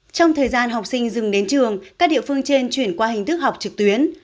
trong thời gian học sinh dừng đến trường các địa phương trên chuyển qua hình thức học trực tuyến